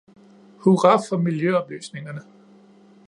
Hurra for miljøoplysningerne!